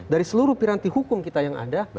dari seluruh piranti hukum kita yang ada